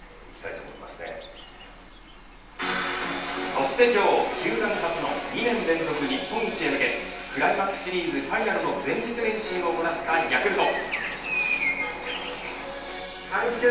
そして今日、球団初の２年連続日本一へ向けクライマックスシリーズファイナルの前日練習を行ったヤクルト。